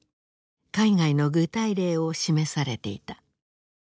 海外の具体例を示されていた。